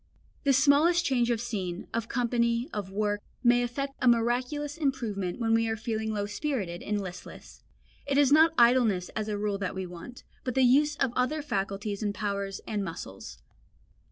The smallest change of scene, of company, of work may effect a miraculous improvement when we are feeling low spirited and listless. It is not idleness as a rule that we want, but the use of other faculties and powers and muscles.